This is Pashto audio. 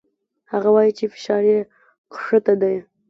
هغه وايي چې فشار يې کښته ديه.